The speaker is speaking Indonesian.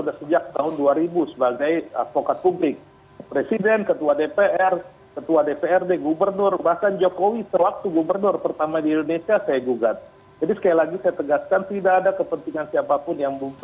saya tidak disuruh oleh siapapun